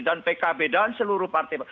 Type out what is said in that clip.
dan pkb dan seluruh partai